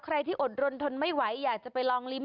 ใครที่อดรนทนไม่ไหวอยากจะไปลองลิ้ม